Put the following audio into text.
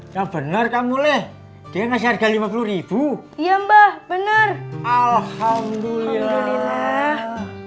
yang bener kamu leh dia ngasih harga rp lima puluh iya mbah bener alhamdulillah